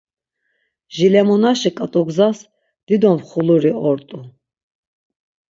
Jilemonaşi ǩat̆ugzas dido mxuluri ort̆u.